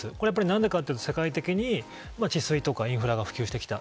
何でかっていうと世界的に治水とかインフラが普及してきた。